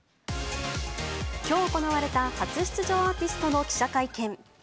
きょう行われた初出場アーティストの記者会見。